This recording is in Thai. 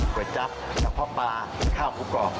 ก๋วยจั๊บกับพอปลาข้าวครูปกรอบ